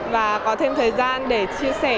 và có thêm thời gian để chia sẻ